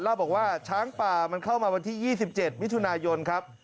เล่าบอกว่าช้างป่ามันเข้ามาวันที่๒๗มิถุนายนครับ